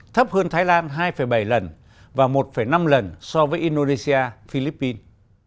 thấp hơn thái lan hai bảy lần và một năm lần so với indonesia philippines